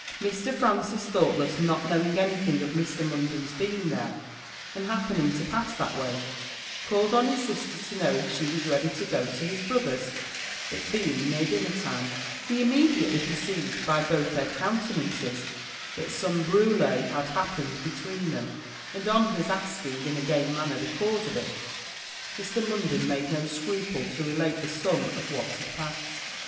Mr. Francis Thoughtless, not knowing anything of Mr. Munden's being there, and happening to pass that way, called on his sister, to know if she was ready to go to his brother's, it being near dinner time; he immediately perceived, by both their countenances, that some brulée had happened between them; and, on his asking, in a gay manner, the cause of it, Mr. Munden made no scruple to relate the sum of what had passed.